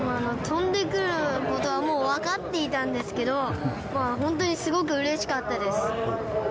飛んでくることはもう分かっていたんですけど本当にすごくうれしかったです。